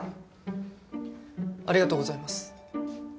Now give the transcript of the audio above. ありがとうございます。